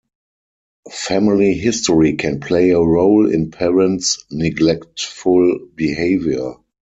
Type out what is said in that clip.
Family history can play a role in parents' neglectful behavior.